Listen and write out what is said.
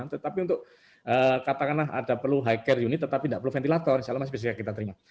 tetapi untuk katakanlah ada perlu high care unit tetapi tidak perlu ventilator insya allah masih bisa kita terima